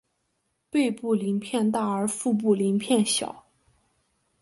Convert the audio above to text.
背部鳞片大而腹部鳞片小。